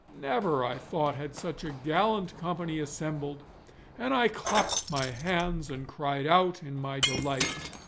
Never, I thought, had such a gallant company assembled, and I clapped my hands and cried out in my delight.